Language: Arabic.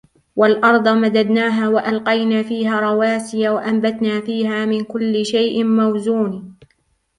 وَالْأَرْضَ مَدَدْنَاهَا وَأَلْقَيْنَا فِيهَا رَوَاسِيَ وَأَنْبَتْنَا فِيهَا مِنْ كُلِّ شَيْءٍ مَوْزُونٍ